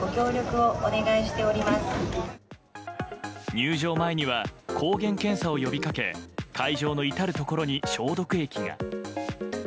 入場前には抗原検査を呼びかけ会場の至るところに消毒液が。